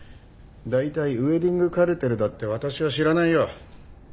だいたいウエディングカルテルだって私は知らないよ。